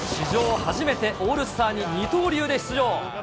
初めてオールスターに二刀流で出場。